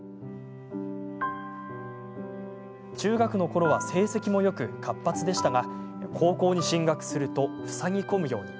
中学のころは成績もよく活発でしたが高校に進学するとふさぎ込むように。